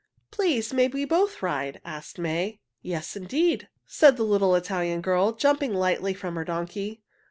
"Please may we both ride?" asked May. "Yes, indeed!" said the little Italian girl, jumping lightly from her donkey.